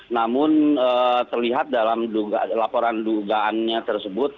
namun terlihat dalam laporan dugaannya tersebut